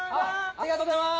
ありがとうございます。